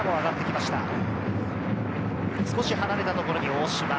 少し離れたところに大島。